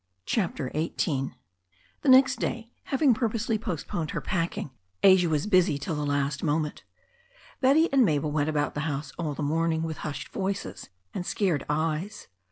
CHAPTER XVIII THE next day, having purposely postponed her pack ing, Asia was busy till the last moment. Betty and Mabel went about the house all the morning with hushed voices and scared eyes.